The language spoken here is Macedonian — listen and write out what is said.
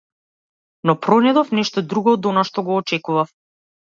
Но пронајдов нешто друго од она што го очекував.